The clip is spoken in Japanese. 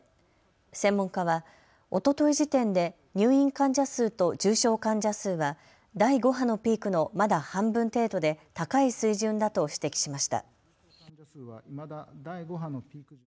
専門家は、おととい時点で入院患者数と重症患者数は第５波のピークのまだ半分程度で高い水準だと指摘しました。